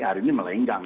hari ini melenggang